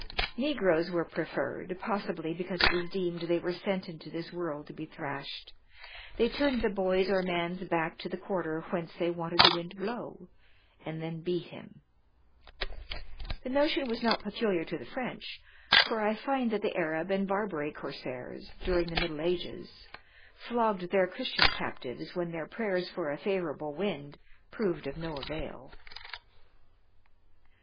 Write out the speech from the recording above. Negroes were preferred, possibly because it was deemed they were sent into this world to be thrashed. They turned the boy's or man's back to the quarter whence they wanted the wind to blow, and then beat him. The notion was not peculiar to the French, for I find that the Arab and Barbary corsairs, during the middle ages, flogged their Christian captives when their prayers for a favourable wind proved of no avail.